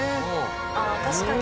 あ確かに。